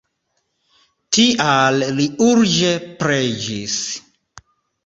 Tial li urĝe preĝis.